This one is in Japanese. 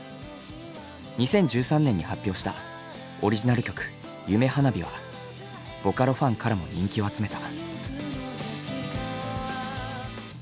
２０１３年に発表したオリジナル曲「夢花火」はボカロファンからも人気を集めた。